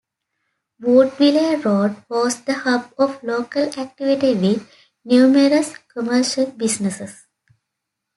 Woodville Road was the hub of local activity with numerous commercial businesses.